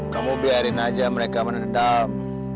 kamu biarin aja mereka mana dendam